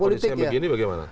kondisinya begini bagaimana